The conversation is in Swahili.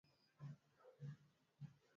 Bana sema kama abata weza iyi kazi